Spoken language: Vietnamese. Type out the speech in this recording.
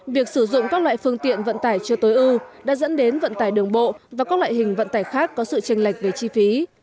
việc sử dụng các loại phương tiện vận tải chưa tối ưu đã dẫn đến vận tải đường bộ và các loại hình vận tải khác có sự tranh lệch về chi phí